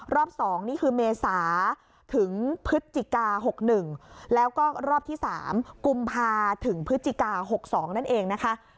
รอบสองนี่คือเมษาถึงพฤศจิกาหกหนึ่งแล้วก็รอบที่สามกุมภาถึงพฤศจิกาหกสองนั่นเองนะคะ